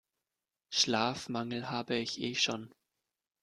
Schlafmangel habe ich eh schon.